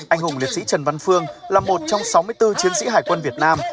anh hùng liệt sĩ trần văn phương là một trong sáu mươi bốn chiến sĩ hải quân việt nam